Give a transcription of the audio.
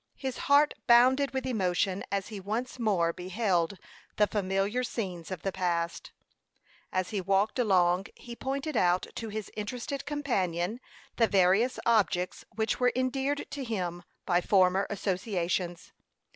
His heart bounded with emotion as he once more beheld the familiar scenes of the past. As he walked along he pointed out to his interested companion the various objects which were endeared to him by former associations.